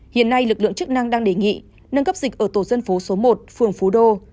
hiện nay lực lượng chức năng đang đề nghị nâng cấp dịch ở tổ dân phố số một phường phú đô